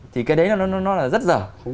thì cái đấy nó rất dở